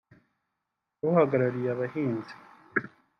uhagarariye abahinzi